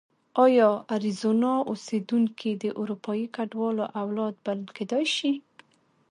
ایا اریزونا اوسېدونکي د اروپایي کډوالو اولاد بلل کېدای شي؟